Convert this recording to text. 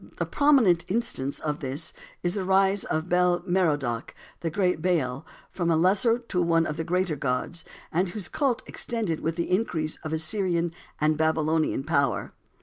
A prominent instance of this is the rise of Bel Merodach, the great Baal, from a lesser to one of the greater gods, and whose cult extended with the increase of Assyrian and Babylonian power.